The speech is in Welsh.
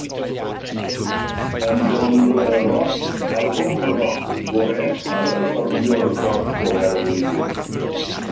Yn Genre Roc: Albwm Roc Gorau a Pherfformiwr roc Gorau'r Flwyddyn.